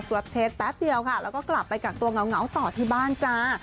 เทสแป๊บเดียวค่ะแล้วก็กลับไปกักตัวเหงาต่อที่บ้านจ้า